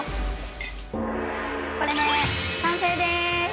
これで完成です！